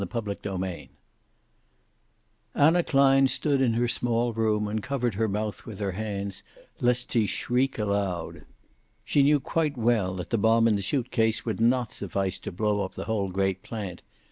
CHAPTER XLI Anna Klein stood in her small room and covered her mouth with her hands, lest she shriek aloud. She knew quite well that the bomb in the suit case would not suffice to blow up the whole great plant.